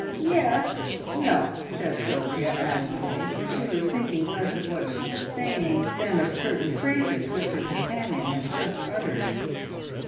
"Yes No!" said Sylvia absently, for she was thinking less of what she was saying than of certain phrases which her companion had just uttered.